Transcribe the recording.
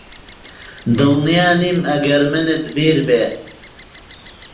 دڵنیا نیم ئەگەر منت بیر بێت